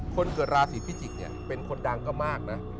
คนเกิดราศีพิจิกษ์เนี่ยเป็นคนดังก็มากนะ